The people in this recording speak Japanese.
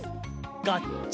ガッチャ。